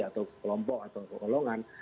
atau kelompok atau kekolongan